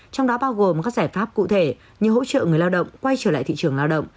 trong đó bao gồm các giải pháp cụ thể như hỗ trợ người lao động quay trở lại thị trường lao động